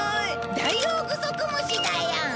ダイオウグソクムシだよ。